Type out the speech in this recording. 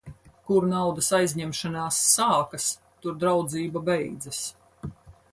Kur naudas aizņemšanās sākas, tur draudzība beidzas.